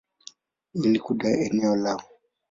ili kudai eneo lao.